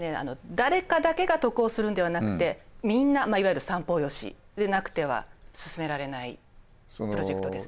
誰かだけが得をするのではなくてみんないわゆる三方よしでなくては進められないプロジェクトですね。